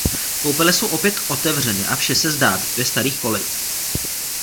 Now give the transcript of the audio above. Koupele jsou opět otevřeny a vše se zdá být ve starých kolejích.